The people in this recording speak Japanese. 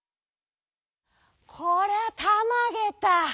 「こりゃたまげた。